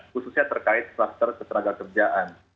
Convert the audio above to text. khususnya terkait kluster ketenaga kerjaan